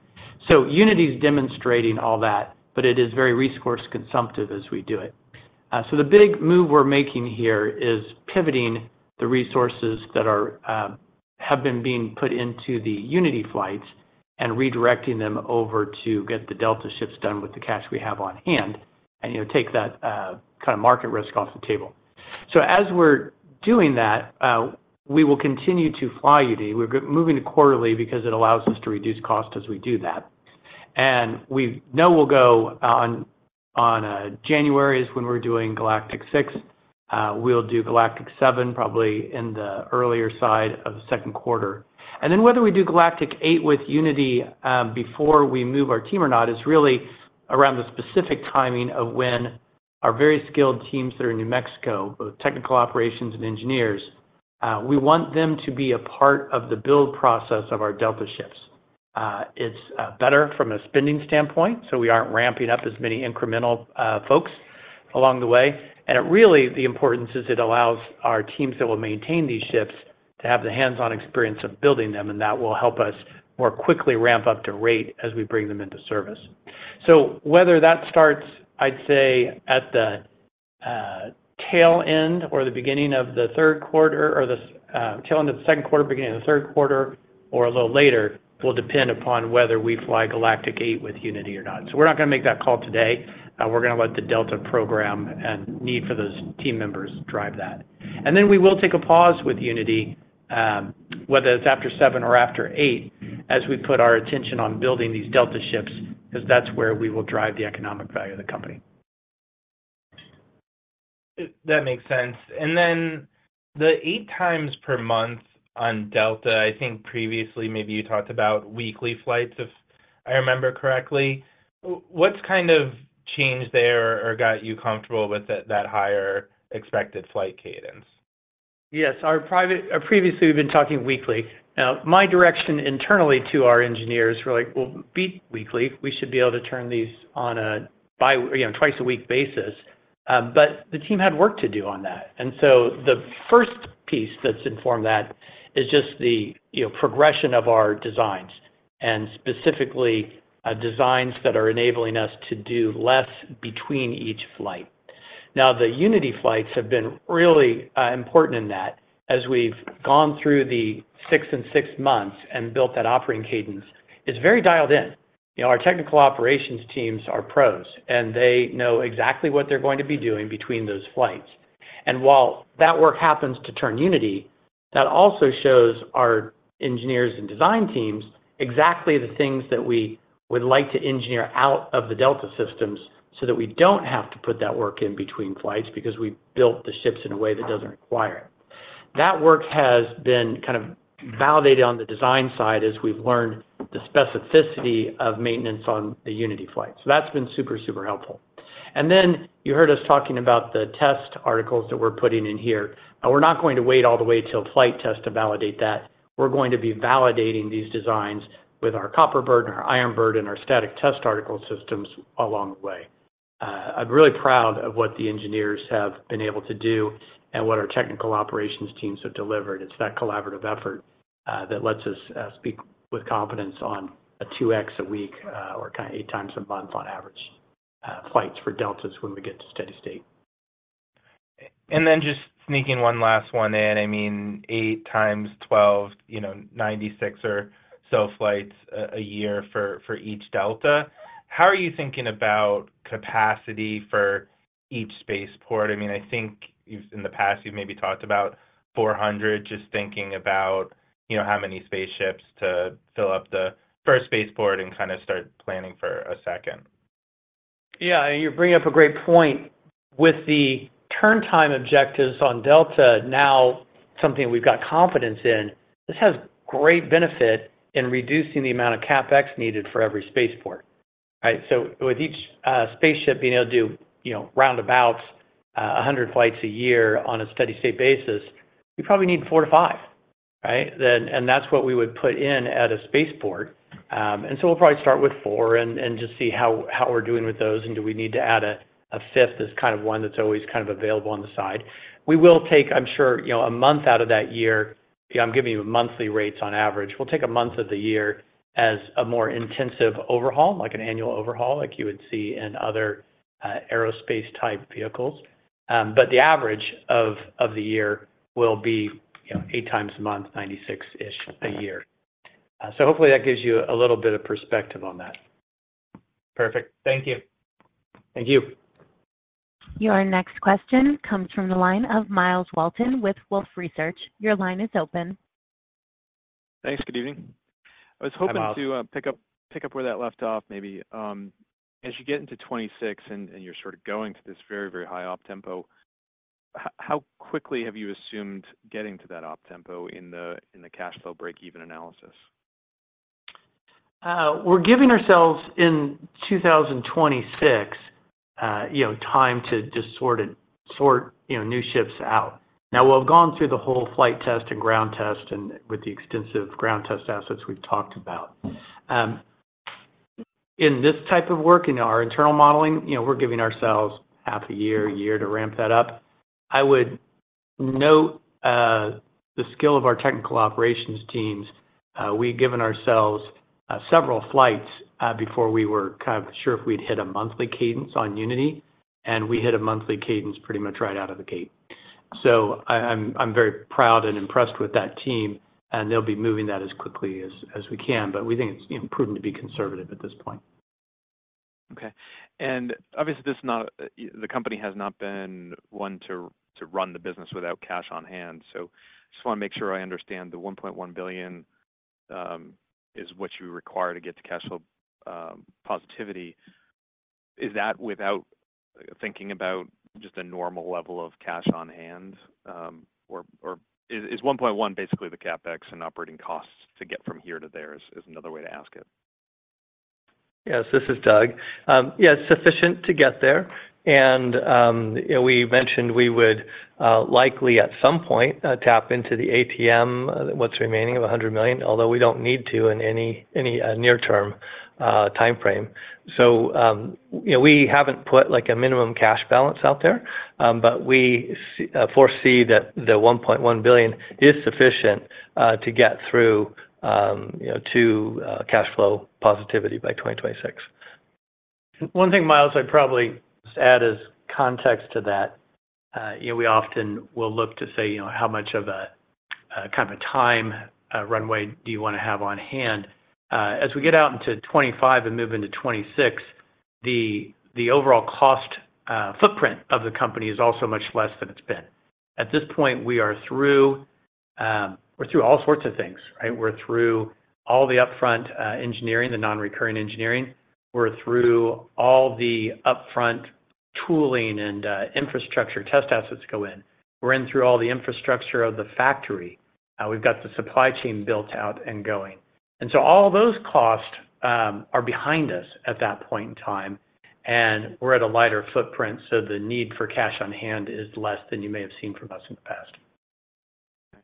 So Unity's demonstrating all that, but it is very resource consumptive as we do it. So the big move we're making here is pivoting the resources that are have been being put into the Unity flights and redirecting them over to get the Delta ships done with the cash we have on hand, and, you know, take that kind of market risk off the table. So as we're doing that, we will continue to fly Unity. We're moving to quarterly because it allows us to reduce cost as we do that. We know we'll go on January is when we're doing Galactic 06. We'll do 07 probably in the earlier side of the second quarter. And then whether we do Galactic 08 with Unity, before we move our team or not, is really around the specific timing of when our very skilled teams that are in New Mexico, both technical operations and engineers, we want them to be a part of the build process of our Delta ships. It's better from a spending standpoint, so we aren't ramping up as many incremental, folks along the way. And it really, the importance is it allows our teams that will maintain these ships to have the hands-on experience of building them, and that will help us more quickly ramp up to rate as we bring them into service. So whether that starts, I'd say, at the tail end or the beginning of the third quarter, or the tail end of the second quarter, beginning of the third quarter, or a little later, will depend upon whether we fly Galactic 08 with Unity or not. So we're not gonna make that call today. We're gonna let the Delta program and need for those team members drive that. And then we will take a pause with Unity, whether it's after 7 or after 8, as we put our attention on building these Delta ships, 'cause that's where we will drive the economic value of the company. That makes sense. And then the 8 times per month on Delta, I think previously maybe you talked about weekly flights, if I remember correctly. What's kind of changed there or got you comfortable with that higher expected flight cadence? Yes, our private—previously, we've been talking weekly. Now, my direction internally to our engineers were like, "Well, beat weekly. We should be able to turn these on a bi-weekly, you know, twice-a-week basis." But the team had work to do on that. And so the first piece that's informed that is just the, you know, progression of our designs, and specifically, designs that are enabling us to do less between each flight. Now, the Unity flights have been really, important in that, as we've gone through the 6-and-6 months and built that operating cadence, it's very dialed in. You know, our technical operations teams are pros, and they know exactly what they're going to be doing between those flights. And while that work happens to turn Unity, that also shows our engineers and design teams exactly the things that we would like to engineer out of the Delta systems, so that we don't have to put that work in between flights, because we've built the ships in a way that doesn't require it. That work has been kind of validated on the design side as we've learned the specificity of maintenance on the Unity flight. So that's been super, super helpful. And then, you heard us talking about the test articles that we're putting in here, and we're not going to wait all the way till flight test to validate that. We're going to be validating these designs with our Copper bird and our Iron bird and our static test article systems along the way. I'm really proud of what the engineers have been able to do and what our technical operations teams have delivered. It's that collaborative effort that lets us speak with confidence on a 2x a week or kind of 8 times a month on average flights for Deltas when we get to steady state. And then just sneaking one last one in. I mean, 8 times 12, you know, 96 or so flights a year for each Delta. How are you thinking about capacity for each spaceport? I mean, I think you've-- in the past, you've maybe talked about 400, just thinking about, you know, how many spaceships to fill up the first spaceport and kind of start planning for a second. Yeah, you're bringing up a great point. With the turn time objectives on Delta, now something we've got confidence in, this has great benefit in reducing the amount of CapEx needed for every spaceport, right? So with each spaceship being able to do, you know, round about 100 flights a year on a steady state basis, you probably need 4-5, right? Then, and that's what we would put in at a spaceport. And so we'll probably start with 4 and just see how we're doing with those, and do we need to add a fifth as kind of one that's always kind of available on the side. We will take, I'm sure, you know, a month out of that year, yeah, I'm giving you monthly rates on average. We'll take a month of the year as a more intensive overhaul, like an annual overhaul, like you would see in other aerospace-type vehicles. But the average of the year will be, you know, 8 times a month, 96-ish a year. So hopefully that gives you a little bit of perspective on that. Perfect. Thank you. Thank you. Your next question comes from the line of Myles Walton with Wolfe Research. Your line is open. Thanks. Good evening. Hi, Myles. I was hoping to pick up, pick up where that left off. Maybe, as you get into 2026 and, and you're sort of going to this very, very high op tempo, how quickly have you assumed getting to that op tempo in the, in the cash flow breakeven analysis? We're giving ourselves in 2026, you know, time to just sort it, sort, you know, new ships out. Now, we've gone through the whole flight test and ground test, and with the extensive ground test assets we've talked about. In this type of work, in our internal modeling, you know, we're giving ourselves half a year, a year to ramp that up. I would note the skill of our technical operations teams. We've given ourselves several flights before we were kind of sure if we'd hit a monthly cadence on Unity, and we hit a monthly cadence pretty much right out of the gate. So I'm very proud and impressed with that team, and they'll be moving that as quickly as we can, but we think it's, you know, proven to be conservative at this point. Okay. And obviously, this is not the company has not been one to run the business without cash on hand. So just wanna make sure I understand the $1.1 billion is what you require to get to cash flow positivity. Is that without thinking about just a normal level of cash on hand, or is one point one basically the CapEx and operating costs to get from here to there? Is another way to ask it? Yes, this is Doug. Yeah, sufficient to get there, and we mentioned we would likely, at some point, tap into the ATM, what's remaining of $100 million, although we don't need to in any near-term time frame. So, you know, we haven't put, like, a minimum cash balance out there, but we foresee that the $1.1 billion is sufficient to get through, you know, to cash flow positivity by 2026. One thing, Myles, I'd probably just add as context to that, you know, we often will look to say, you know, how much of a kind of a time runway do you wanna have on hand? As we get out into 2025 and move into 2026, the overall cost footprint of the company is also much less than it's been. At this point, we are through, we're through all sorts of things, right? We're through all the upfront engineering, the non-recurring engineering. We're through all the upfront tooling and infrastructure test assets go in. We're through all the infrastructure of the factory. We've got the supply chain built out and going. And so all those costs are behind us at that point in time, and we're at a lighter footprint, so the need for cash on hand is less than you may have seen from us in the past. Okay.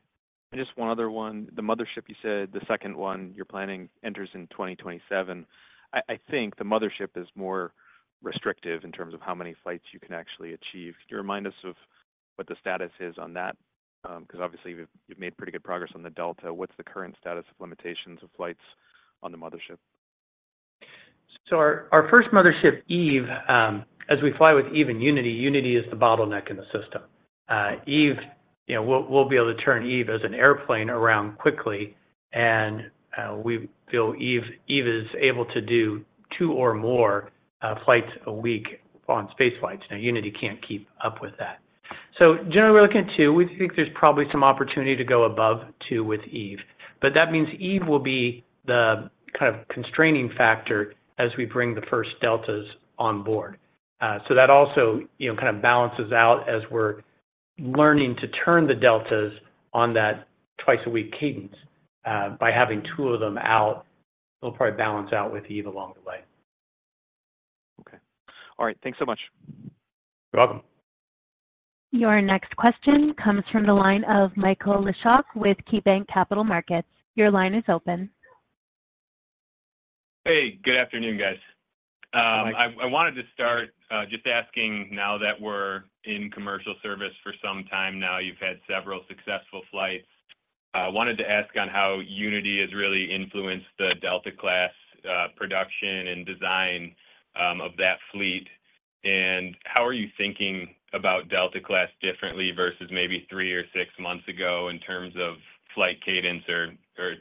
And just one other one. The mothership, you said, the second one you're planning enters in 2027. I think the mothership is more restrictive in terms of how many flights you can actually achieve. Could you remind us of what the status is on that? Because obviously you've made pretty good progress on the Delta. What's the current status of limitations of flights on the mothership? So our first mothership, Eve, as we fly with Eve and Unity, Unity is the bottleneck in the system. Eve, you know, we'll be able to turn Eve as an airplane around quickly, and we feel Eve is able to do two or more flights a week on space flights. Now, Unity can't keep up with that. So generally, we're looking at two. We think there's probably some opportunity to go above two with Eve. But that means Eve will be the kind of constraining factor as we bring the first Deltas on board. So that also, you know, kind of balances out as we're learning to turn the Deltas on that twice-a-week cadence. By having two of them out, it'll probably balance out with Eve along the way. Okay. All right, thanks so much. You're welcome. Your next question comes from the line of Michael Leshock with KeyBanc Capital Markets. Your line is open. Hey, good afternoon, guys. Hi. I wanted to start just asking, now that we're in commercial service for some time now, you've had several successful flights. Wanted to ask on how Unity has really influenced the Delta class production and design of that fleet. And how are you thinking about Delta class differently versus maybe three or six months ago in terms of flight cadence or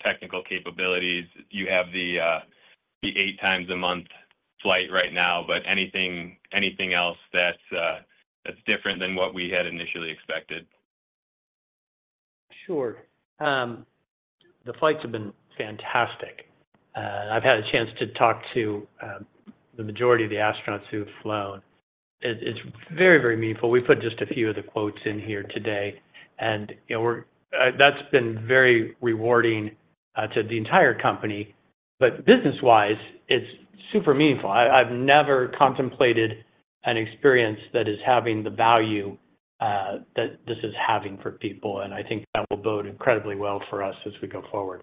technical capabilities? You have the eight times a month flight right now, but anything else that's different than what we had initially expected? Sure. The flights have been fantastic. I've had a chance to talk to the majority of the astronauts who've flown. It's very, very meaningful. We put just a few of the quotes in here today, and, you know, that's been very rewarding to the entire company. But business-wise, it's super meaningful. I've never contemplated an experience that is having the value that this is having for people, and I think that will bode incredibly well for us as we go forward.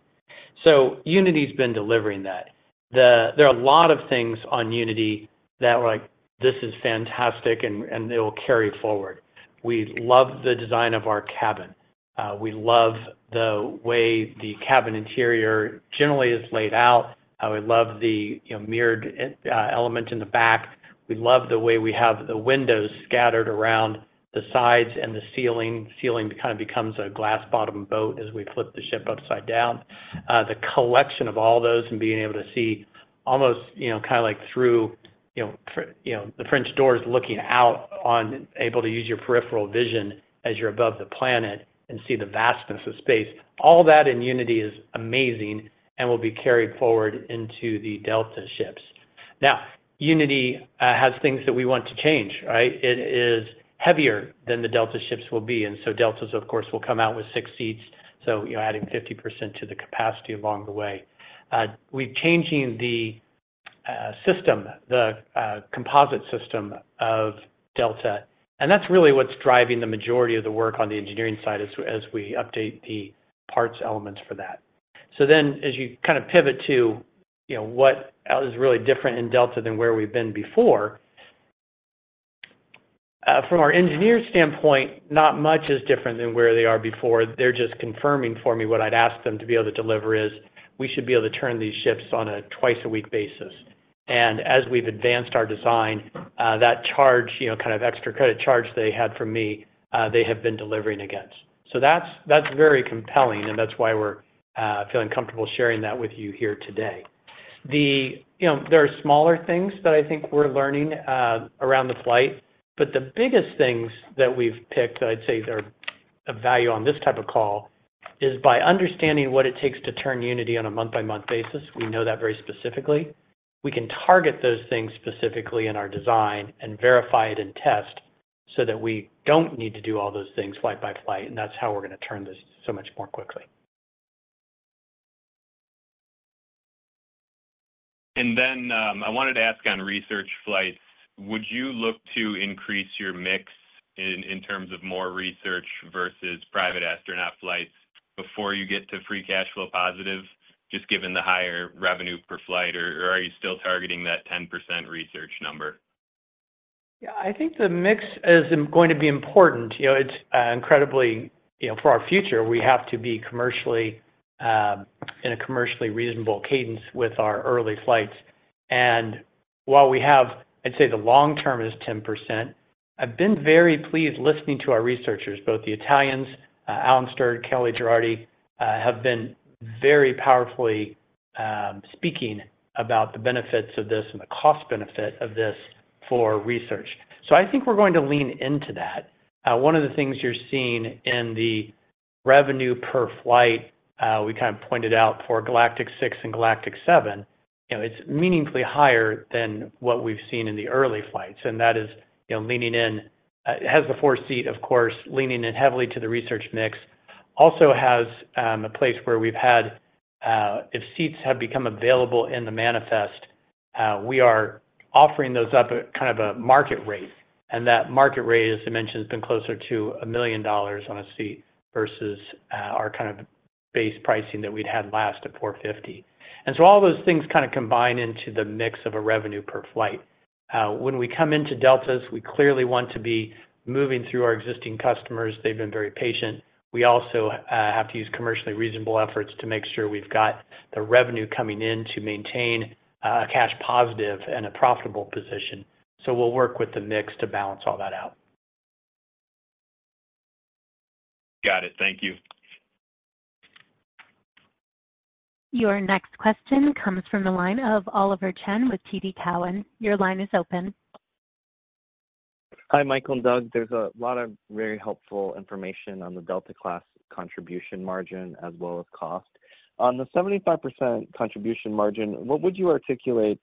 So Unity's been delivering that. There are a lot of things on Unity that we're like, "This is fantastic, and it will carry forward." We love the design of our cabin. We love the way the cabin interior generally is laid out. We love the, you know, mirrored element in the back. We love the way we have the windows scattered around the sides and the ceiling. Ceiling kind of becomes a glass-bottom boat as we flip the ship upside down. The collection of all those and being able to see almost, you know, kind of like through, you know, the French doors looking out on able to use your peripheral vision as you're above the planet and see the vastness of space. All that in Unity is amazing and will be carried forward into the Delta ships. Now, Unity has things that we want to change, right? It is heavier than the Delta ships will be, and so Deltas, of course, will come out with six seats, so, you know, adding 50% to the capacity along the way. We're changing the system, the composite system of Delta. And that's really what's driving the majority of the work on the engineering side as we update the parts elements for that. So then, as you kind of pivot to, you know, what is really different in Delta than where we've been before, from our engineers' standpoint, not much is different than where they are before. They're just confirming for me what I'd asked them to be able to deliver is, we should be able to turn these ships on a twice a week basis. And as we've advanced our design, that charge, you know, kind of extra credit charge they had from me, they have been delivering against. So that's very compelling, and that's why we're feeling comfortable sharing that with you here today. You know, there are smaller things that I think we're learning around the flight, but the biggest things that we've picked, I'd say, they're of value on this type of call, is by understanding what it takes to turn Unity on a month-by-month basis, we know that very specifically. We can target those things specifically in our design and verify it in test, so that we don't need to do all those things flight by flight, and that's how we're going to turn this so much more quickly. Then, I wanted to ask on research flights, would you look to increase your mix in terms of more research versus private astronaut flights before you get to free cash flow positive, just given the higher revenue per flight, or are you still targeting that 10% research number? Yeah, I think the mix is going to be important. You know, it's incredibly, you know, for our future, we have to be commercially in a commercially reasonable cadence with our early flights. And while we have, I'd say, the long-term is 10%, I've been very pleased listening to our researchers, both the Italians, Alan Stern, Kellie Gerardi, have been very powerfully speaking about the benefits of this and the cost benefit of this for research. So I think we're going to lean into that. One of the things you're seeing in the revenue per flight, we kind of pointed out for Galactic 6 and Galactic 7, you know, it's meaningfully higher than what we've seen in the early flights, and that is, you know, leaning in. It, it has the fourth seat, of course, leaning in heavily to the research mix. Also has a place where we've had if seats have become available in the manifest, we are offering those up at kind of a market rate, and that market rate, as I mentioned, has been closer to $1 million on a seat versus our kind of base pricing that we'd had last at $450,000. So all those things kind of combine into the mix of a revenue per flight. When we come into Deltas, we clearly want to be moving through our existing customers. They've been very patient. We also have to use commercially reasonable efforts to make sure we've got the revenue coming in to maintain cash positive and a profitable position. So we'll work with the mix to balance all that out. Got it. Thank you. Your next question comes from the line of Oliver Chen with TD Cowen. Your line is open. Hi, Michael and Doug. There's a lot of very helpful information on the Delta class contribution margin as well as cost. On the 75% contribution margin, what would you articulate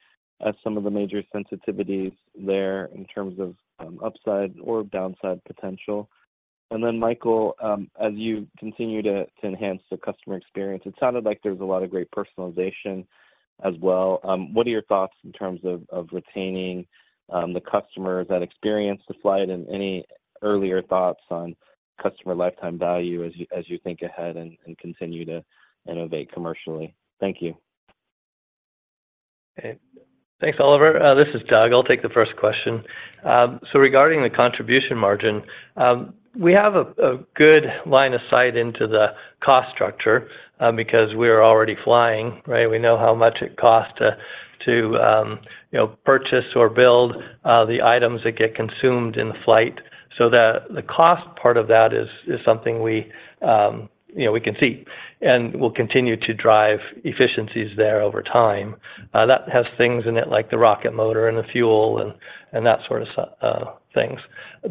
as some of the major sensitivities there in terms of, upside or downside potential? And then, Michael, as you continue to, to enhance the customer experience, it sounded like there was a lot of great personalization as well. What are your thoughts in terms of, of retaining, the customer that experienced the flight and any earlier thoughts on customer lifetime value as you, as you think ahead and, and continue to innovate commercially? Thank you. Thanks, Oliver. This is Doug. I'll take the first question. So regarding the contribution margin, we have a good line of sight into the cost structure, because we're already flying, right? We know how much it costs to, to, you know, purchase or build, the items that get consumed in the flight. So the cost part of that is something we, you know, we can see, and we'll continue to drive efficiencies there over time. That has things in it, like the rocket motor and the fuel and that sort of stuff, things.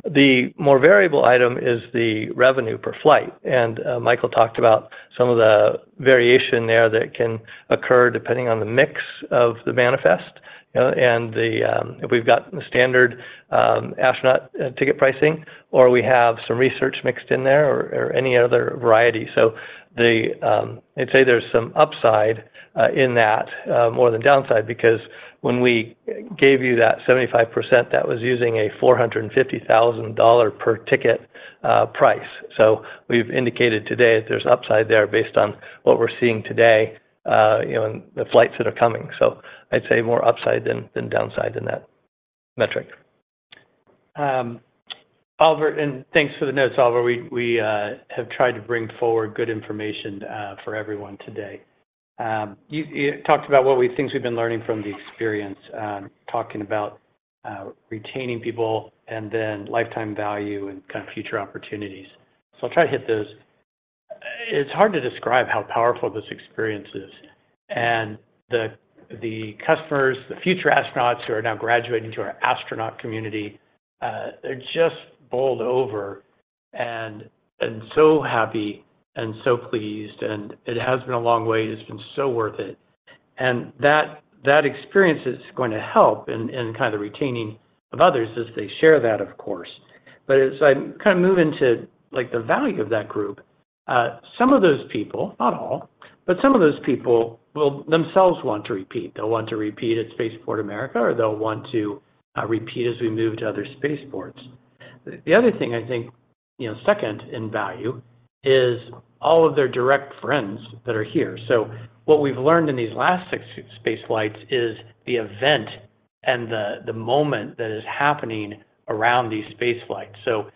The more variable item is the revenue per flight, and Michael talked about some of the variation there that can occur depending on the mix of the manifest, and if we've got the standard astronaut ticket pricing, or we have some research mixed in there, or any other variety. So I'd say there's some upside in that more than downside, because when we gave you that 75%, that was using a $450,000 per ticket price. So we've indicated today that there's upside there based on what we're seeing today, you know, and the flights that are coming. So I'd say more upside than downside in that metric. Oliver, and thanks for the notes, Oliver. We have tried to bring forward good information for everyone today. You talked about things we've been learning from the experience, talking about retaining people and then lifetime value and kind of future opportunities. So I'll try to hit those. It's hard to describe how powerful this experience is, and the customers, the future astronauts who are now graduating to our astronaut community, they're just bowled over and so happy and so pleased, and it has been a long way. It's been so worth it. And that experience is going to help in kind of retaining of others as they share that, of course. But as I kind of move into, like, the value of that group, some of those people, not all, but some of those people will themselves want to repeat. They'll want to repeat at Spaceport America, or they'll want to repeat as we move to other spaceports. The other thing I think, you know, second in value is all of their direct friends that are here. So what we've learned in these last six space flights is the event and the moment that is happening around these space flights. So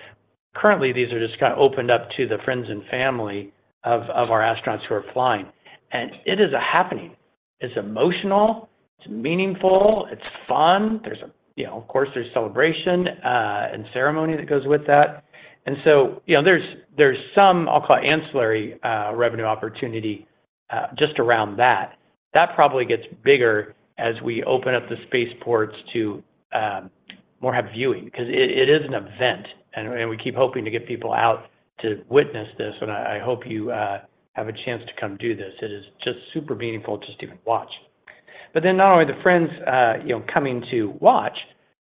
currently, these are just kind of opened up to the friends and family of our astronauts who are flying, and it is a happening. It's emotional, it's meaningful, it's fun. There's a—you know, of course, there's celebration and ceremony that goes with that. And so, you know, there's some, I'll call it ancillary, revenue opportunity, just around that. That probably gets bigger as we open up the spaceports to, more have viewing, 'cause it is an event, and we keep hoping to get people out to witness this, and I hope you have a chance to come do this. It is just super meaningful just to even watch. But then not only the friends, you know, coming to watch,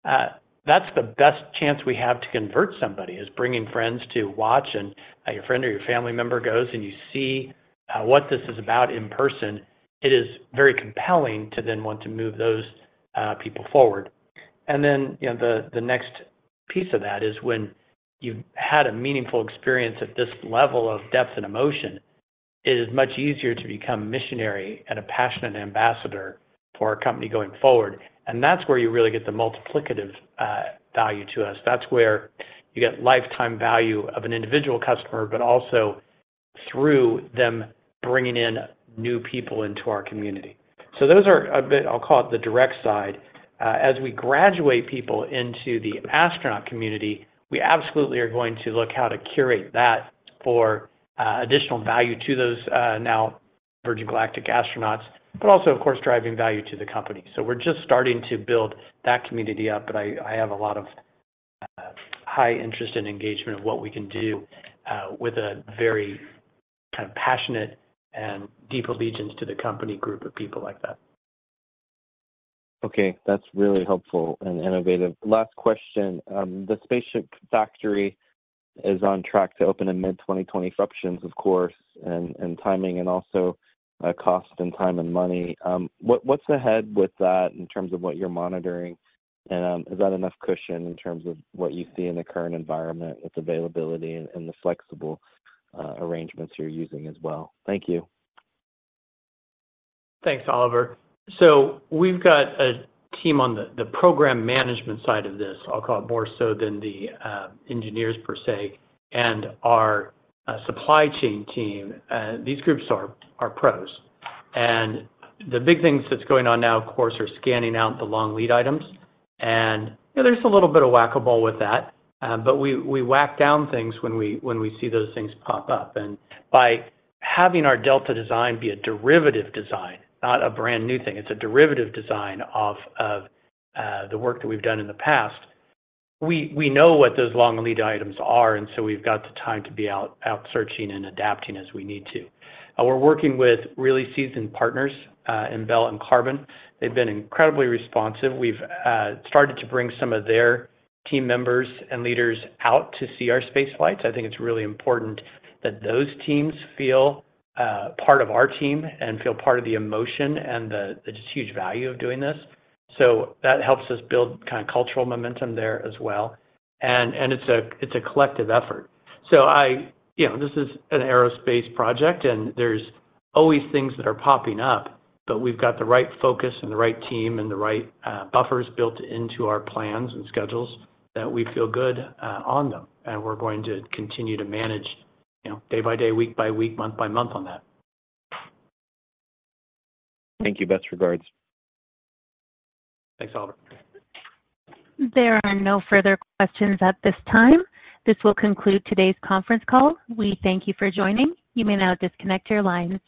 that's the best chance we have to convert somebody, is bringing friends to watch and, your friend or your family member goes, and you see, what this is about in person. It is very compelling to then want to move those, people forward. And then, you know, the next piece of that is when you've had a meaningful experience at this level of depth and emotion, it is much easier to become missionary and a passionate ambassador for our company going forward. And that's where you really get the multiplicative value to us. That's where you get lifetime value of an individual customer, but also through them bringing in new people into our community. So those are a bit, I'll call it the direct side. As we graduate people into the astronaut community, we absolutely are going to look how to curate that for additional value to those now Virgin Galactic astronauts, but also, of course, driving value to the company. So we're just starting to build that community up, but I, I have a lot of high interest and engagement of what we can do with a very kind of passionate and deep allegiance to the company group of people like that. Okay, that's really helpful and innovative. Last question. The spaceship factory is on track to open in mid-2020. Disruptions, of course, and timing and also cost and time and money. What's ahead with that in terms of what you're monitoring? Is that enough cushion in terms of what you see in the current environment with availability and the flexible arrangements you're using as well? Thank you. Thanks, Oliver. So we've got a team on the program management side of this, I'll call it, more so than the engineers per se, and our supply chain team. These groups are pros. The big things that's going on now, of course, are scanning out the long lead items, and, you know, there's a little bit of whack-a-mole with that, but we whack down things when we see those things pop up. By having our Delta design be a derivative design, not a brand-new thing, it's a derivative design of the work that we've done in the past. We know what those long lead items are, and so we've got the time to be out searching and adapting as we need to. We're working with really seasoned partners in Bell and Qarbon. They've been incredibly responsive. We've started to bring some of their team members and leaders out to see our space flights. I think it's really important that those teams feel part of our team and feel part of the emotion and the just huge value of doing this. So that helps us build kind of cultural momentum there as well. And it's a collective effort. So you know, this is an aerospace project, and there's always things that are popping up, but we've got the right focus and the right team and the right buffers built into our plans and schedules, that we feel good on them. And we're going to continue to manage you know, day by day, week by week, month by month on that. Thank you. Best regards. Thanks, Oliver. There are no further questions at this time. This will conclude today's conference call. We thank you for joining. You may now disconnect your lines.